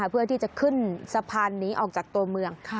เพื่อที่จะขึ้นสะพานนี้ออกจากตัวเมือง